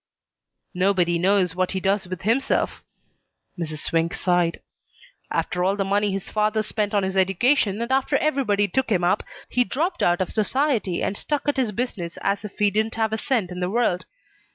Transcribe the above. "Nobody knows what he does with himself." Mrs. Swink sighed. "After all the money his father spent on his education, and after everybody took him up, he dropped out of society and stuck at his business as if he didn't have a cent in the world.